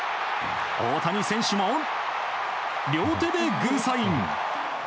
大谷選手も両手でグーサイン。